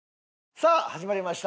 さあ始まりました。